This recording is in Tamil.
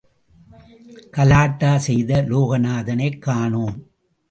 கலாட்டா செய்த லோகநாதனைக் காணோம்.